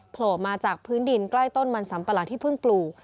โผล่มาจากพื้นดินใกล้ต้นมันสัมปะหลังที่เพิ่งปลูก